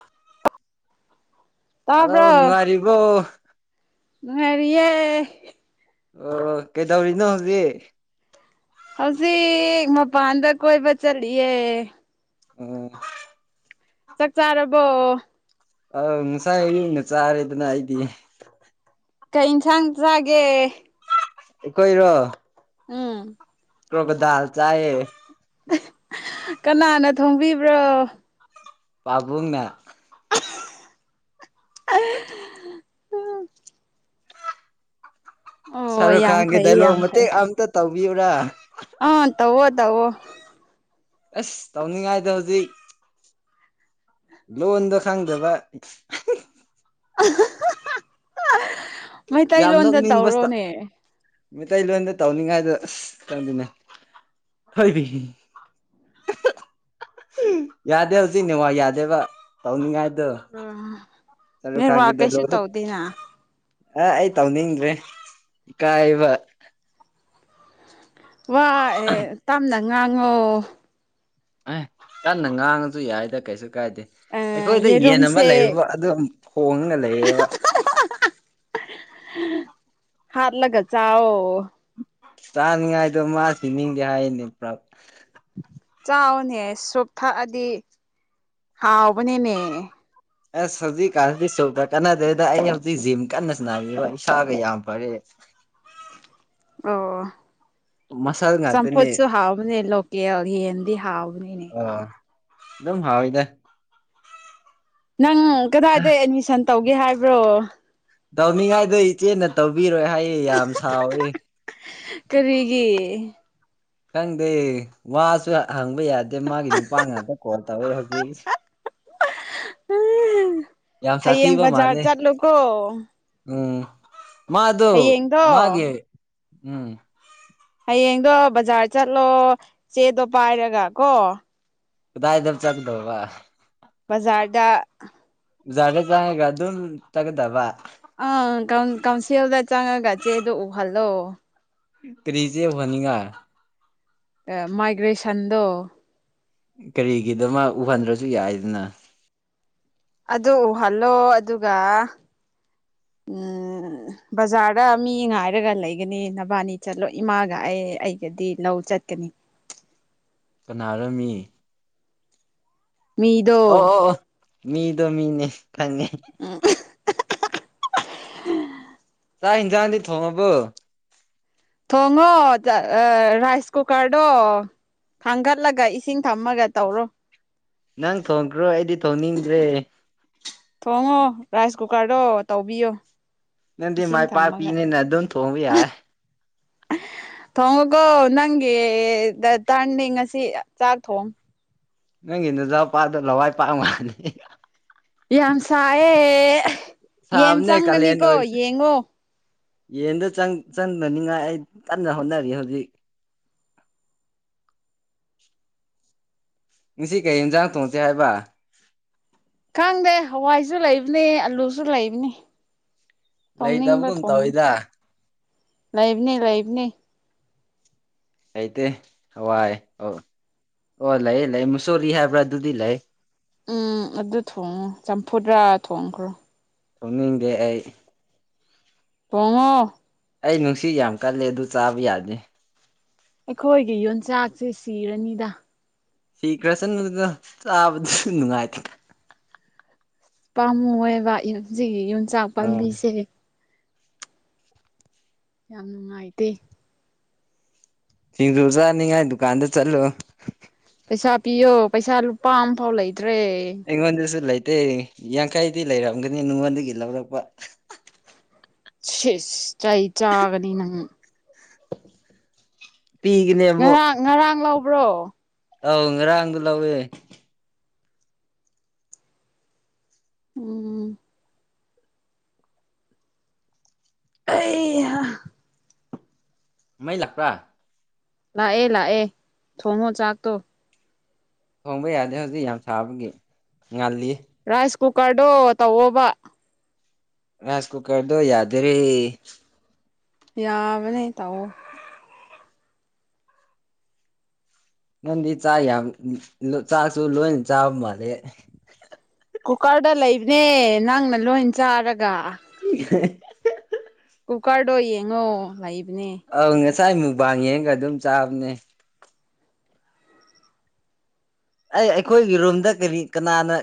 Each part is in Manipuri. [unintelligible] ꯑꯗꯣ ꯇꯥꯕ꯭ꯔꯣ ꯅꯨꯡꯉꯥꯏꯔꯤꯕꯣ ꯅꯨꯡꯉꯥꯏꯔꯤꯌꯦ ꯑꯣ ꯀꯩꯗꯧꯔꯤꯅꯣ ꯍꯧꯖꯤꯛ ꯍꯧꯖꯤꯛ ꯃꯄꯥꯟꯗ ꯀꯣꯏꯕ ꯆꯠꯂꯤꯌꯦ ꯑꯣ ꯆꯥꯛ ꯆꯥꯔꯕꯣ ꯑꯪ ꯉꯁꯥꯏ ꯑꯌꯨꯛꯅ ꯆꯥꯔꯦꯗꯅ ꯑꯩꯗꯤ ꯀꯩ ꯏꯟꯁꯥꯡ ꯆꯥꯒꯦ ꯑꯩꯈꯣꯏꯔꯣ ꯎꯝ ꯀꯣꯒꯣ ꯗꯥꯥ ꯆꯑ ꯀꯅꯥꯅ ꯊꯣꯡꯕꯤꯕ꯭ꯔꯣ ꯄꯥꯄꯅꯦ ꯎꯝ ꯁꯥꯔꯨꯈ ꯌꯥꯝ ꯈꯦ ꯐꯩ ꯗꯜꯋꯥ ꯌꯥꯝ ꯃꯦ ꯐꯩ ꯑ ꯇꯧꯕꯤꯌꯕꯔꯥ ꯑꯥ ꯇꯋꯥꯣ ꯇꯋꯣ ꯑꯁ ꯇꯧꯅꯤꯡꯉꯥꯏꯗ ꯍꯧꯖꯤꯛ ꯂꯣꯟꯣꯟꯗ ꯈꯪꯗꯕ [unintelligible] ꯃꯩꯇꯩ ꯂꯣꯟꯗ ꯇꯧꯔꯣꯅꯦ ꯃꯩꯂꯣꯟꯗ ꯇꯧꯅꯤꯡꯉꯥꯏꯗꯣ ꯈꯪꯗꯅꯦꯣꯏ ꯌꯥꯗꯦ ꯍꯧꯖꯤꯛ ꯅꯅꯤꯦꯋꯥ ꯌꯥꯗꯦꯕ ꯇꯧꯅꯤꯡꯉꯥꯏ ꯑ ꯃꯤ ꯋꯥ ꯀꯩꯁꯨ ꯗꯥꯏꯂꯣꯛꯇꯣ ꯇꯧꯗꯅ ꯑ ꯑꯩ ꯇꯧꯅꯤꯡꯗ꯭ꯔꯦ ꯏꯀꯥꯏꯕ ꯋꯥ ꯑꯦ ꯇꯝꯅ ꯉꯉꯣ ꯑꯦ ꯀ ꯅꯪ ꯉꯥꯡꯉꯁꯨ ꯌꯥꯏꯗ ꯀꯩꯁꯨ ꯀꯥꯏꯗꯦ ꯑꯥ ꯑꯩꯈꯣꯏꯗ ꯌꯦꯟ ꯑꯃ ꯌꯦꯔꯨꯝꯁꯦ ꯂꯩꯕꯕ ꯑꯗꯨꯝ ꯍꯣꯡꯅ ꯂꯩꯌꯦꯕ ꯍꯥꯔꯂꯒ ꯆ ꯆꯥꯅꯤꯡꯉꯥꯏꯗꯣ ꯃꯥ ꯊ ꯅꯤꯡꯒꯦ ꯍꯥꯏꯅꯤ ꯄꯨ꯭ꯔꯞ ꯆꯥꯎꯅꯦ ꯁꯣꯣꯛ ꯊꯛꯑꯗꯤ ꯍꯥꯎꯕꯅꯤꯅꯦ ꯑꯁ ꯍꯧꯖꯤꯛꯀꯥꯟ ꯀꯥꯟꯅꯗꯔꯤꯦꯗ ꯑꯩꯅ ꯍꯧꯖꯤꯛ ꯖꯤꯝ ꯀꯟꯅ ꯁꯥꯟꯅꯔꯤ ꯏꯁꯥꯒ ꯌꯥꯝ ꯐꯔꯦ ꯑꯣ ꯃꯁꯜ ꯉꯥꯛꯇꯅꯦ ꯁꯄꯣꯠꯁꯨ ꯍꯥꯎꯅꯤ ꯂ ꯀ ꯚꯍꯦꯟꯗꯤ ꯍꯥꯎ ꯑꯣ ꯑꯦꯝ ꯍꯥꯎꯏꯗ ꯅꯪ ꯀꯗꯥꯗ ꯑꯦꯗꯃꯤꯁꯟ ꯇꯧꯒꯦ ꯍꯥꯏꯕ꯭ꯔꯣ ꯇꯧꯃꯤ ꯉꯥꯏꯗ ꯏꯆꯦ ꯅ ꯇꯧ ꯇꯕꯤꯔꯣꯏ ꯍꯥꯏꯌꯦ ꯌꯥꯝ ꯁꯥꯎꯋꯦ ꯀꯔꯤꯒꯤ ꯈꯪꯗꯦ ꯋꯥꯁꯨ ꯍꯪꯕ ꯌꯥꯗꯦ ꯃꯥꯒꯤ ꯅꯨꯄꯥ ꯉꯥꯛꯇ ꯇꯕꯔ ꯍꯥꯕꯤꯁ ꯌꯥꯝ ꯍꯌꯦꯡꯡ ꯁꯥꯊꯤꯕ ꯖꯔ ꯃꯥꯜꯂꯦ ꯆꯠꯂꯨ ꯀꯣ ꯃꯥ ꯑꯗꯨ ꯃꯥꯒꯤꯦ ꯎꯝ ꯍꯌꯦꯡꯗꯣ ꯕꯥꯖꯥꯔ ꯆꯠꯂꯣ ꯆꯦꯗꯣ ꯄꯥꯏꯔꯒ ꯀꯣ ꯀꯗꯥꯏꯗꯕ ꯆꯡꯗꯣꯕ ꯕꯖꯥꯔꯗ ꯖꯥꯗ ꯆꯪꯉꯥꯒ ꯑꯗꯨꯝ ꯇꯒꯗꯥꯕ ꯑꯪ ꯀꯥꯎꯟ-ꯀꯥꯎꯟꯁꯤꯜꯗ ꯆꯪꯉꯒ ꯆꯦꯗ ꯎꯍꯜꯂꯣ ꯀ꯭ꯔꯦꯖꯤ ꯍꯣꯅꯤꯒꯥ ꯑꯦ ꯃꯥꯏꯒ꯭ꯔꯦꯁꯟꯗꯣ ꯀꯔꯤꯒꯤꯗꯃꯛ ꯎꯍꯟꯗ꯭ꯔꯁꯨ ꯌꯥꯏꯗꯅ ꯑꯗꯣ ꯎꯍꯜꯂꯣ ꯑꯗꯨꯒ ꯎꯝ ꯕꯖꯥꯔꯗ ꯃꯤ ꯉꯥꯏꯔꯒ ꯂꯩꯒꯅꯤ ꯅꯕꯥꯅꯤ ꯆꯠꯂꯣ ꯏꯃꯥꯒ ꯑꯩ ꯑꯩꯒꯗꯤ ꯂꯧ ꯆꯠꯀꯅꯤ ꯀꯅꯥꯔꯥꯃꯤ ꯃꯤꯗꯣ ꯑꯣ ꯃꯤꯗꯣ ꯃꯤꯅꯦ ꯈꯪꯉꯦ ꯎꯝ [inaudible] ꯆꯥꯛ ꯍꯤꯟꯖꯥꯡꯗꯤ ꯊꯣꯡꯉꯕꯣ ꯊꯣꯡꯉꯣ ꯑꯥ ꯔꯥꯏꯁ ꯀꯨꯀꯔꯗꯣ ꯊꯥꯡꯒꯠꯂꯒ ꯏꯁꯤꯡ ꯊꯝꯃꯥꯒ ꯇꯧꯔꯣ ꯅꯪ ꯊꯣꯡꯈ꯭ꯔꯣ ꯑꯩꯗꯤ ꯊꯣꯡꯅꯤꯡꯗ꯭ꯔꯦ ꯊꯣꯡꯉꯣ ꯔꯥꯏꯁ ꯀꯨꯀꯔꯗꯣ ꯇꯧꯕꯤꯌꯣ ꯅꯪꯗꯤ ꯏꯁꯤꯡ ꯃꯥꯏ ꯄꯥꯄꯤꯅꯦꯅ ꯑꯗꯨꯝ ꯊꯣꯡꯕ ꯌꯥꯏ ꯊꯣꯡꯉꯣꯀꯣ ꯅꯪꯒꯤ ꯗꯥ-ꯇ꯭ꯔꯟꯅꯤ ꯉꯁꯤ ꯆꯥꯛ ꯊꯣꯡ ꯅꯪꯒꯤꯅꯖ ꯄꯥꯗꯣ ꯂꯋꯥꯏ ꯄꯥꯛ ꯃꯥꯅꯤ ꯌꯥꯝ ꯁꯥꯌꯦ ꯌꯦꯟ ꯁꯥꯕꯅꯦ ꯀꯥꯂꯦꯟ ꯆꯪꯒꯅꯤꯀꯣ ꯑꯣꯏ ꯌꯦꯡꯉꯣ ꯌꯦꯟꯗꯣ ꯆꯪ-ꯆꯪꯗꯅꯤꯡꯉꯥꯏ ꯑꯩ ꯀꯟꯅ ꯍꯣꯠꯅꯔꯤ ꯍꯧꯖꯤꯛ ꯉꯁꯤ ꯀꯩ ꯌꯦꯟꯖꯥꯡ ꯊꯣꯡꯁꯦ ꯍꯥꯏꯕ ꯈꯪꯗꯦ ꯍꯋꯥꯏꯁꯨ ꯂꯩꯕꯅꯦ ꯑꯂꯨꯁꯨ ꯂꯩꯕꯅꯦ ꯇꯣꯡꯅꯤꯡꯕ ꯂꯩꯇꯕꯒꯨꯝ ꯊꯣꯡꯉꯣ ꯇꯧꯋꯤꯗ ꯂꯩꯕꯅꯦ- ꯂꯩꯕꯅꯦ ꯑꯩꯇꯦ ꯍꯋꯥꯏ ꯑꯣ-ꯑꯣ ꯂꯩꯌꯦ- ꯂꯩꯌꯦ ꯃꯨꯁꯣꯔꯤ ꯍꯥꯏꯕ꯭ꯔꯥ ꯑꯗꯨꯗꯤ ꯂꯩ ꯎꯝ ꯑꯗꯨ ꯊꯣꯡꯉꯣ ꯆꯝꯐꯨꯠꯔꯥ ꯊꯣꯡꯈ꯭ꯔꯣ ꯊꯣꯡꯅꯤꯡꯗꯦ ꯑꯩ ꯊꯣꯡꯉꯣ ꯑꯩ ꯅꯨꯡꯁꯤ ꯌꯥꯝ ꯀꯜꯂꯦ ꯑꯗꯨ ꯆꯥꯕ ꯌꯥꯗꯦ ꯑꯩꯈꯣꯏꯒꯤ ꯌꯣꯟꯆꯥꯛꯁꯦ ꯁꯤꯔꯅꯤꯗ ꯁꯤꯈ꯭ꯔꯥꯁꯅꯨꯗ ꯆꯥꯕꯗꯁꯨ ꯅꯨꯡꯉꯥꯏꯇ꯭ꯔꯥꯀꯥꯟ ꯄꯥꯝꯃꯨꯌꯦꯕ ꯏꯞꯖꯤꯒꯤ ꯌꯨꯝ ꯆꯥꯎ ꯑꯥ ꯄꯥꯟꯕꯤꯖꯦ ꯌꯥꯝ ꯅꯨꯡꯉꯥꯏꯇꯦ ꯊꯤꯡꯖꯨ ꯆꯥꯅꯤꯡꯉꯦ ꯗꯨꯀꯥꯟꯗ ꯆꯠꯂꯣ ꯄꯩꯁꯥ ꯄꯤꯌꯣ ꯄꯩꯁꯥ ꯂꯨꯄꯥ ꯑꯃꯥ ꯐꯥꯎ ꯂꯩ ꯑꯩꯉꯣꯟꯗꯁꯨ ꯂꯩ ꯇꯦ ꯌꯥꯡꯈꯩꯗꯤ ꯂꯩꯔꯝꯒꯅꯤ ꯃꯤꯉꯣꯟꯗꯒꯤ ꯂꯧꯔꯛꯄ ꯁꯤꯁ ꯆꯩ ꯆꯒꯅꯤꯅ ꯄꯤꯒꯅꯦ ꯉꯔꯥꯡ ꯉꯔꯥꯡ ꯂ ꯍꯕ꯭ꯔꯣ ꯑ ꯔꯒ ꯂꯋꯦ ꯎꯝ ꯑꯩ ꯃꯥꯏ ꯂꯥꯛꯄ꯭ꯔ ꯂꯥꯛꯑꯦ ꯂꯥꯛꯑꯦ ꯊꯣꯡꯉꯣ ꯆꯥꯛꯇꯣ ꯊꯣꯡꯕ ꯌꯥꯗꯦ ꯍꯧꯖꯤꯛ ꯌꯥꯝ ꯁꯥꯕꯒꯤ ꯉꯜꯂꯤ ꯄꯨ ꯀꯥꯗꯣ ꯇꯋꯣꯕ ꯔꯥꯏꯁ ꯀꯨꯀꯔꯗ ꯌꯥꯗꯔꯤꯦ ꯌꯥꯕꯅꯦ ꯇꯑꯣ ꯅꯪꯗꯤ ꯆꯥꯛ ꯌꯥꯝ ꯆꯥꯛꯁꯨ ꯂꯣꯏꯅ ꯆꯥꯕ ꯃꯥꯜꯂꯦ ꯀꯨꯀꯔꯗ ꯂꯩꯕꯅꯦ ꯅꯪꯅ ꯂꯣꯏ ꯆꯥꯔꯒ [unintelligible] ꯀꯨꯀꯔꯗꯣ ꯌꯦꯡꯉꯣ ꯂꯩꯕ ꯄꯨꯅꯦ ꯑꯧ ꯉꯁꯥꯏ ꯃꯨꯛꯕꯥꯡ ꯌꯦꯡꯒ ꯑꯗꯨꯝ ꯆꯥꯕꯅꯦ ꯑꯩ ꯑꯩꯈꯣꯏꯒꯤ ꯔꯨꯝꯗ ꯀꯔꯤ ꯀꯅꯥꯅ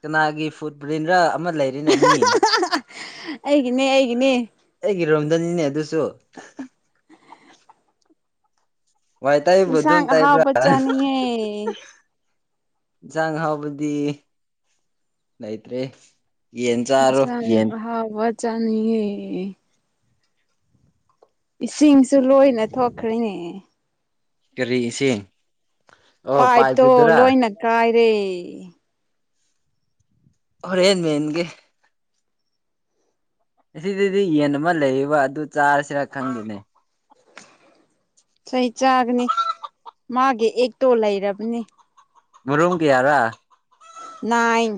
ꯀꯅꯥꯒꯤ ꯐꯨꯗ ꯕꯟꯗ꯭ꯔꯥ ꯑꯩꯒꯤꯅꯦ ꯑꯩꯒꯤꯅꯦ ꯔꯣꯝꯖꯅꯤꯅꯦ ꯑꯗꯨ ꯆ ꯁꯒ ꯍꯥꯎ ꯇꯩꯕ꯭ꯔꯥ ꯄꯆꯥꯅꯤꯌꯦ ꯏꯟꯁꯥꯡ ꯍꯥꯎꯕꯗꯤ ꯂꯩꯇ꯭ꯔꯦ ꯌꯦꯟ ꯆꯥꯔꯣ ꯏꯟꯁꯥꯡ ꯌꯦꯟ ꯑꯍꯥꯎꯕ ꯆꯥꯅꯤꯡꯉꯦ ꯏꯁꯤꯡ ꯏ ꯁꯨ ꯂꯣꯏꯅ ꯊꯣꯛꯈ꯭ꯔꯔꯤꯅꯦ ꯀꯔꯤ ꯏꯁꯤꯡ ꯑꯣ ꯄꯥꯏꯇꯣ ꯄꯥꯏꯞꯀꯤꯗꯨꯔꯥ ꯂꯣꯏꯅ ꯀꯥꯏ ꯦ [unintelligible] ꯍꯔꯦꯟꯃꯤꯟꯦ ꯑꯁꯤꯗꯗꯤ ꯌꯦꯟ ꯑꯃ ꯂꯩꯔꯤꯕꯌꯦ ꯑꯗꯨ ꯆꯥꯔꯁꯤꯔꯥ ꯈꯪꯗꯅꯦ ꯆꯍꯤ ꯆꯥꯒꯅꯤ ꯃꯥꯒꯤ ꯑꯦꯛꯇꯣ ꯂꯩꯔꯕꯅꯤ ꯃꯔꯨꯝ ꯀ ꯌꯥꯔ ꯅꯥꯏꯟ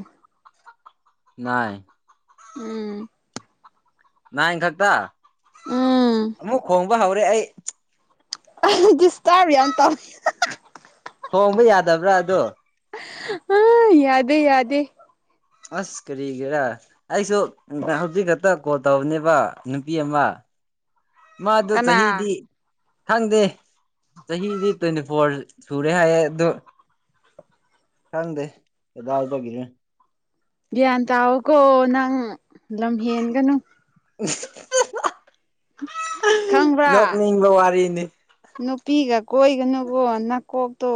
ꯅꯏ ꯎꯝ ꯅꯅꯥ ꯏꯪꯛꯇ ꯎꯝ ꯑꯃꯨꯛ ꯍꯣꯡꯕ ꯍꯥꯎ ꯍꯔꯦ ꯑꯩ [unintelligible] ꯁ ꯇꯕꯔꯤ ꯇ [unintelligible] ꯈꯣꯡꯕ ꯌꯥꯗꯕ꯭ꯔꯥ ꯑꯗꯣ ꯑꯥ ꯌꯥꯗꯦ ꯌꯥꯗꯦ ꯑꯁ ꯀꯔꯤꯒꯤꯦꯔꯥ ꯑꯩꯁꯨ ꯍꯧꯖꯤꯛ ꯈꯛꯇ ꯀꯣꯜ ꯇꯧꯕꯅꯦꯕ ꯅꯨꯄꯤ ꯑꯃ ꯃꯥ ꯑꯗꯨ ꯀꯅꯥ ꯆꯍꯤꯗꯤ ꯈꯪꯗꯦ ꯆꯍꯤꯗꯤ ꯇ꯭ꯋꯦꯟꯇꯤ ꯐꯣꯔ ꯁꯨꯔꯦ ꯍꯥꯏꯌꯦꯦ ꯑꯗꯨ ꯈꯪꯗꯦ ꯀꯗꯥꯏꯗꯅꯣ ꯌꯥ ꯇꯥꯎꯒꯣ ꯅꯪ ꯂꯝ ꯍꯟꯒꯅꯨ [unintelligible] ꯈꯪꯕ꯭ꯔꯥ ꯅꯣꯛꯅꯤꯡꯕ ꯋꯥꯔꯤꯅꯤ ꯅꯨꯄꯤꯒ ꯀꯣꯏꯒꯅꯨꯀꯣ ꯅꯥꯀꯣꯛ ꯇꯣ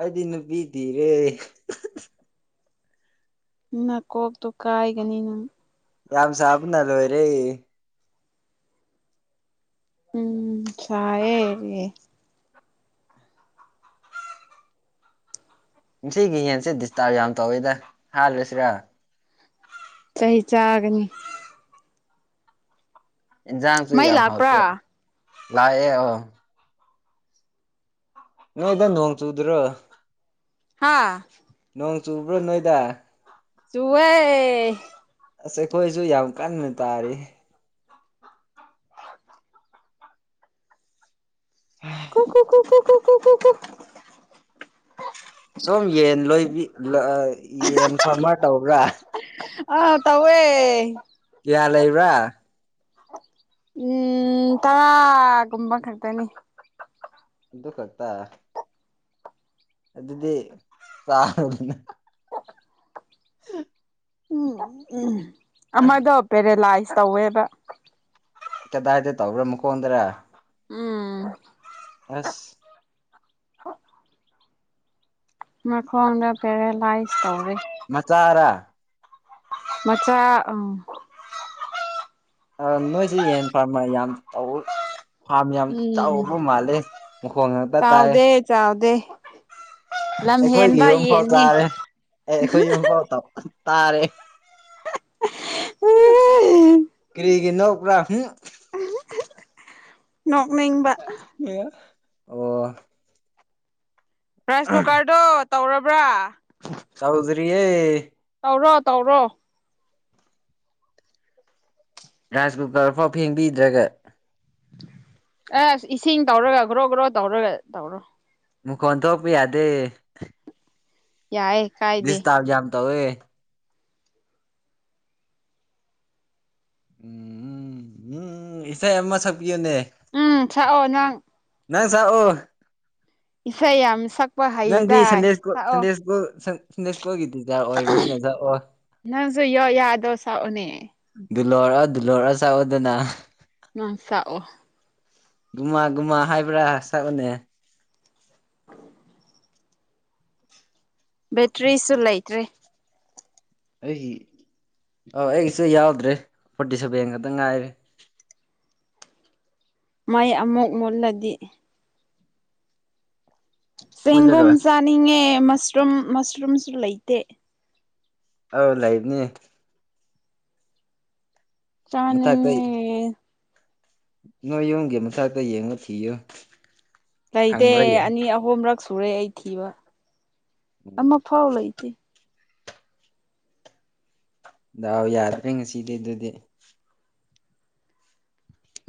ꯑꯩꯗꯤ ꯅꯨꯄꯤ ꯊꯤꯔꯦ ꯅꯥꯀꯣꯛꯇꯨ ꯀꯥꯏꯒꯅꯤ ꯅꯪ ꯌꯥꯝ ꯁꯥꯥꯕꯅ ꯂꯣꯏꯔꯦ ꯎꯝ ꯁꯥꯌꯦ ꯁꯤꯒꯤ ꯌꯦꯟꯁꯦ ꯗꯤꯁꯇꯥꯔꯕ ꯌꯥꯝ ꯇꯧꯋꯦꯗ ꯍꯥꯠꯂꯥꯁꯤꯔꯥ ꯆꯩ ꯆꯥꯒꯅꯤ ꯏꯟꯖꯥꯡꯁꯨ ꯃꯩ ꯌꯥꯝ ꯍꯥꯎꯇꯦ ꯂꯥꯛꯄ꯭ꯔꯥ ꯂꯥꯛꯑꯦ ꯑꯣ ꯅꯣꯏꯗ ꯅꯣꯡ ꯆꯨꯗꯔ꯭ꯣ ꯍꯥꯥ ꯅꯣꯡ ꯆꯨꯕ꯭ꯔꯣ ꯅꯣꯏꯗ ꯆꯨꯌꯦ ꯑꯁ ꯑꯩꯈꯣꯏꯁꯨ ꯌꯥꯝ ꯀꯟꯅ ꯇꯥꯔꯤ ꯀꯨꯀꯨꯀꯨ ꯀꯨ ꯀꯨ ꯀꯨ ꯀꯨ ꯁꯨꯝ ꯌꯦꯟ ꯂꯣꯏꯕꯤ ꯌꯦꯟ ꯐꯥꯔꯃꯔ ꯇꯧꯕ꯭ꯔꯥ ꯑꯥ ꯇꯧꯋꯦ ꯀꯌꯥ ꯂꯩꯕ꯭ꯔꯥ ꯎꯝ ꯇꯔꯥꯒꯨꯝꯕ ꯈꯛꯇꯅꯤ ꯑꯗꯨ ꯈꯛꯇ ꯑꯗꯨꯗꯤ ꯆꯥꯔꯣꯗꯅ [unintelligible] ꯎꯝ ꯎꯝ ꯎꯝ ꯑꯃꯗꯣ ꯄꯦꯔꯦꯂꯌ꯭ꯥꯁ ꯇꯧꯋꯦꯕꯥ ꯀꯗꯥꯏꯗ ꯇꯧꯕꯔ꯭ꯥ ꯃꯈꯣꯡꯗꯔ ꯎꯝ ꯑꯥꯁ ꯃꯈꯣꯟꯗ ꯄꯦꯔꯥꯂꯥꯏꯁ ꯇꯧꯋꯦ ꯃꯆꯥꯔꯥ ꯃꯆꯥ ꯎꯝ ꯅꯣꯏꯁꯤ ꯌꯦꯟ ꯐꯥꯔꯃꯔ ꯌꯥꯝ ꯇꯧ ꯐꯥꯔꯝ ꯌꯥꯝ ꯎꯝ ꯆꯥꯎꯕ ꯃꯥꯜꯂꯦ ꯃꯈꯣꯡ ꯉꯥꯛꯇ ꯇꯥꯏ ꯑꯣ ꯑꯩꯈꯣꯏꯒꯤ ꯌꯨꯝ ꯑꯃꯐꯥꯎ ꯆꯥꯔꯦ ꯑꯦ ꯑꯩꯈꯣꯏ ꯌꯨꯝ ꯑꯃꯐꯥꯎ ꯇꯥꯎ ꯇꯥꯔꯦ ꯀꯔꯤꯒꯤ ꯅꯧ ꯄꯨ꯭ꯔꯥ ꯎꯝ ꯅꯣꯛꯅꯤꯡꯕ ꯑ ꯑꯣ ꯔꯥꯏꯁ ꯀꯨꯀꯔꯗꯨꯣ ꯇꯧꯔꯕ꯭ꯔꯥ ꯇꯥꯎꯗꯔꯤ ꯇꯧꯔꯣ ꯇꯧꯔꯣ ꯔꯥꯏꯁ ꯀꯨꯀꯔꯐꯥꯎ ꯐꯦꯡꯕꯤꯗ꯭ꯔꯒ ꯑꯁ ꯏꯁꯤꯡ ꯇꯧꯔꯒ ꯒ꯭ꯔꯣ ꯒ꯭ꯔꯣ ꯇꯧꯔꯒ ꯇꯧꯔꯣ ꯃ ꯀꯣꯟꯣꯟ ꯊꯣꯛꯄꯤ ꯌꯥꯗꯦ ꯌꯥꯏꯦ ꯀꯥꯏꯗꯦ ꯇꯋꯦ ꯎꯝ ꯎꯝ ꯎꯝ ꯏꯁꯩ ꯑꯃ ꯁꯛꯄꯤꯌꯨꯅꯦ ꯎꯝ ꯁꯥꯛꯑꯣ ꯅꯪ ꯅꯪ ꯁꯥꯑꯣ ꯏꯁꯩꯩ ꯌꯥꯝ ꯁ ꯅꯪꯗꯤ ꯁꯟꯗꯦꯁꯀꯣ ꯁꯟꯗꯦꯁꯀꯣ ꯏꯁ ꯅꯪꯁꯨ ꯌꯣ ꯌꯥꯗꯣ ꯁꯥꯅꯦ ꯗꯨꯜꯂꯣꯔꯛ ꯗꯨꯜꯂꯣꯔ ꯆꯥꯛꯑꯣꯗꯅ ꯃꯁꯑꯣ ꯒꯨꯝꯃꯥ ꯒꯨꯝꯃꯥ ꯍꯥꯏꯕ꯭ꯔꯥ ꯁꯛꯕꯅꯦ ꯕꯦꯇ꯭ꯔꯤꯁꯨ ꯂꯩꯇ꯭ꯔꯦ ꯑꯩꯒꯤ ꯑ ꯑꯩꯒꯤꯁꯨ ꯌꯥꯎꯗ꯭ꯔꯦ ꯐꯣꯔꯇꯤ ꯁꯦꯚꯦꯟ ꯈꯛꯇ ꯉꯥꯏꯔꯦ ꯃꯥꯏ ꯑꯃꯨꯛ ꯃꯨꯜꯂꯗꯤ ꯁꯒꯨꯝ ꯃꯨꯠꯂꯔꯣꯏ ꯆꯥꯅꯤꯡꯉꯦꯁ ꯃꯁꯔꯨꯝ ꯃꯁꯔꯨꯝꯁꯨ ꯂꯩꯇꯦ ꯑꯥꯎ ꯂꯩ ꯂꯩꯕꯅꯤ ꯃꯊꯛꯇ ꯆꯥꯅꯤ ꯅꯣꯏ ꯌꯨꯝꯒꯤ ꯃꯊꯛꯇ ꯌꯦꯡꯉꯨ ꯊꯤꯌꯨ ꯂꯩꯇꯦ ꯐꯪꯕ꯭ꯔꯥ ꯌꯦꯡꯉꯣ ꯑꯅꯤ ꯑꯍꯨꯝꯔꯛ ꯇꯨꯔꯦ ꯊꯤꯕ ꯑꯃ ꯐꯥꯎ ꯂꯩ ꯏꯇꯦ ꯗꯥꯑꯣ ꯌꯥꯔ꯭ꯔꯦ ꯉꯁꯤꯗꯤ ꯑꯗꯨꯗꯤ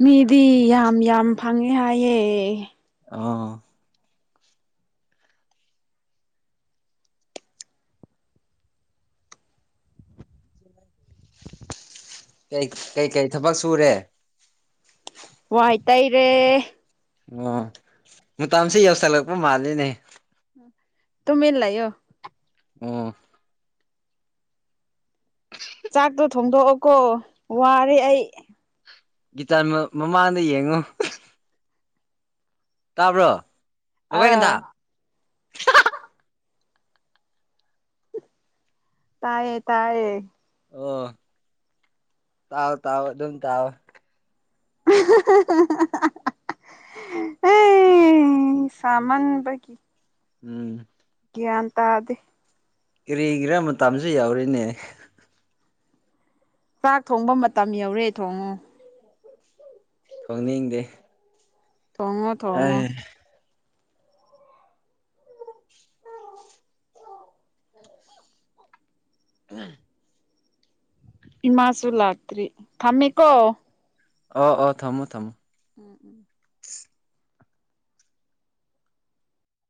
ꯃꯤꯗꯤ ꯌꯥꯝ ꯌꯥꯝ ꯐꯪꯉꯦ ꯍꯥꯏꯌꯦ ꯑꯥ ꯀꯩ ꯀꯩ ꯊꯕꯛ ꯁꯨꯔꯦ ꯋꯥꯏ ꯇꯩꯔꯦ ꯑꯣ ꯃꯇꯝꯁꯤ ꯌꯧꯁꯜꯂꯛꯄ ꯃꯥꯜꯂꯤꯅꯦ ꯇꯨꯃꯤꯟ ꯂꯩꯌꯣ ꯑꯣ ꯆꯥꯛꯇꯣ ꯊꯣꯡꯗꯣꯛꯑꯣꯀꯣ ꯋꯥꯔꯦ ꯑꯩ ꯒꯤꯇꯥꯔ ꯃꯃꯥꯡꯗ ꯌꯦꯡꯉꯣ ꯇꯥꯕ꯭ꯔꯣ ꯂꯧꯀꯣꯏ ꯀꯟꯊꯥ ꯑꯥ ꯇꯥꯌꯦ ꯇꯥꯌꯦ ꯑꯣ ꯇꯥꯎ ꯇꯥꯎ ꯑꯗꯨꯝ ꯇꯥꯎꯑꯣ ꯑꯦ ꯁꯥꯃꯟꯕꯒꯤ ꯎꯝ ꯒ꯭ꯌꯥꯟ ꯇꯥꯗꯦ ꯀꯔꯤꯒꯤꯔ ꯃꯇꯝꯁꯨ ꯌꯧꯔꯦꯅꯦ ꯆꯥꯛ ꯊꯣꯡꯕ ꯃꯇꯝ ꯌꯧꯔꯦ ꯊꯣꯡꯉꯣ ꯊꯣꯡꯅꯤꯡꯗꯦ ꯊꯣꯡꯉꯣ ꯊꯣꯡꯉꯣ ꯑꯦ ꯑꯁ ꯑ ꯏꯃꯥꯁꯨꯨ ꯂꯥꯥꯛꯇ꯭ꯔꯤ ꯊꯝꯃꯦꯀꯣ ꯑꯣ ꯑꯣ ꯊꯝꯃꯣ ꯊꯝꯃꯣ ꯎꯝ ꯎꯝ [unintelligible]